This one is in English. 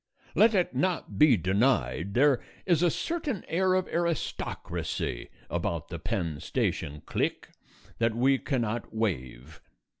Let it not be denied, there is a certain air of aristocracy about the Penn Station clique that we cannot waive.